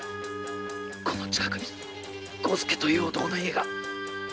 この近くに伍助という男の家が！